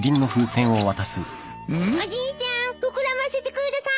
おじいちゃん膨らませてください。